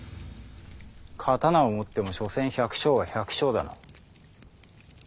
刀を持ってもしょせん百姓は百姓だな。